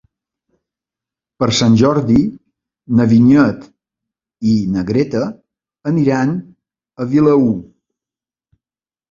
Per Sant Jordi na Vinyet i na Greta aniran a Vilaür.